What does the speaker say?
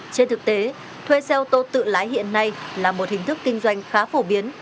trên thực tế thuê xe ô tô tự lái hiện nay là một hình thức kinh doanh khá phổ biến